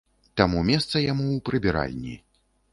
Таму месца яму ў прыбіральні.